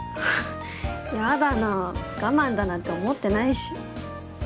やだなぁ我慢だなんて思ってないし。